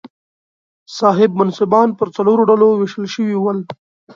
صاحب منصبان پر څلورو ډلو وېشل شوي ول.